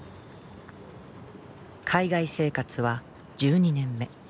海外生活は１２年目。